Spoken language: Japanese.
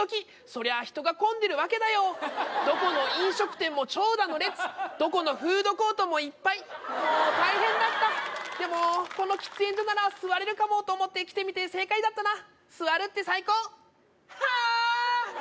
そりゃあ人が混んでるわけだよどこの飲食店も長蛇の列どこのフードコートもいっぱいもう大変だったでもこの喫煙所なら座れるかもと思って来てみて正解だったな座るって最高ハーッ！